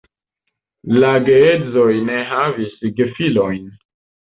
La geedzoj ne havis gefilojn.